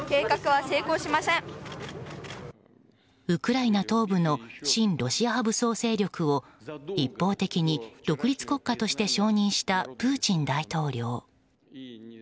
ウクライナ東部の親ロシア派武装勢力を一方的に独立国家として承認したプーチン大統領。